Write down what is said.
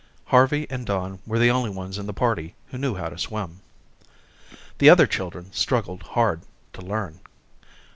Harvey and Don were the only ones in the party who knew how to swim. The other children struggled hard to learn.